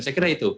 saya kira itu